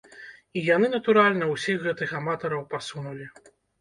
І яны, натуральна, усіх гэтых аматараў пасунулі.